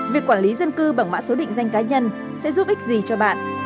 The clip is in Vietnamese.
việc quản lý dân cư bằng mã số định danh cá nhân sẽ giúp ích gì cho bạn